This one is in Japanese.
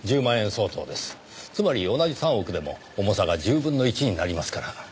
つまり同じ３億でも重さが１０分の１になりますから。